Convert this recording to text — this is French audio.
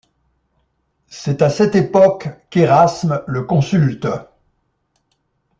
C'est à cette époque qu'Érasme le consulte.